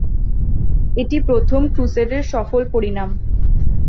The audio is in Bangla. এটি প্রথম ক্রুসেডের সফল পরিণাম।